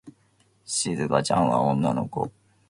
しずかちゃんは女の子。